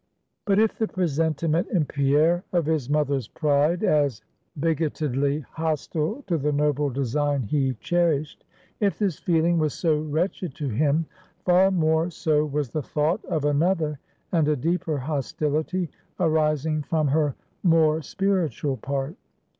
But if the presentiment in Pierre of his mother's pride, as bigotedly hostile to the noble design he cherished; if this feeling was so wretched to him; far more so was the thought of another and a deeper hostility, arising from her more spiritual part.